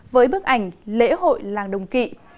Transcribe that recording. với bức ảnh lễ hội làng đồng kỵ